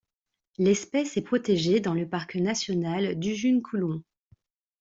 L'espèce est protégée dans le Parc national d'Ujung Kulon.